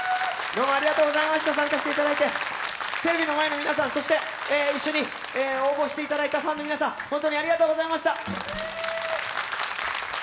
どうもありがとうございました参加していただいてテレビの前の皆さん、そして一緒に応募していただいたファンの皆さんありがとうございました。